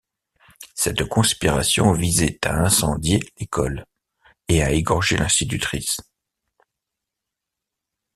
Cette conspiration visait à incendier l'école et à égorger l'institutrice.